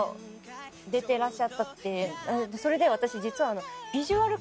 それで私実はあの。